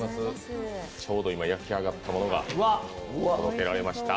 ちょうど今焼き上がったものができました。